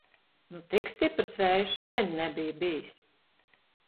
Nu tik stiprs vējš sen nebija bijis!